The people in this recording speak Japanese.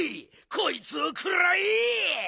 こいつをくらえ！